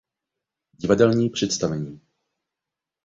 Divadelní představení.